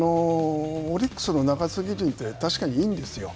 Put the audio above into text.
オリックスの中継ぎ陣って確かにいいんですよ。